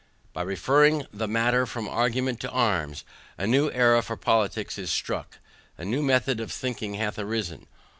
By referring the matter from argument to arms, a new era for politics is struck; a new method of thinking hath arisen.